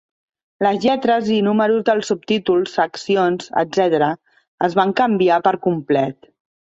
Les lletres i números dels subtítols, seccions, etc. es van canviar per complet.